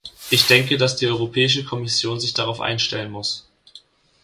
Ich denke, dass die Europäische Kommission sich darauf einstellen muss.